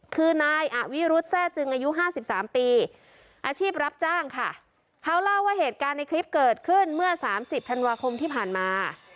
คือนายอวิรุธแทร่จึงอายุห้าสิบสามปีอาชีพรับจ้างค่ะเขาเล่าว่าเหตุการณ์ในคลิปเกิดขึ้นเมื่อสามสิบธันวาคมที่ผ่านมา